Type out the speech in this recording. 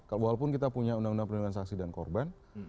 walaupun kita punya undang undang perlindungan saksi dan korban